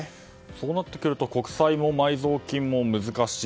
そうなってくると国債も埋蔵金も難しい。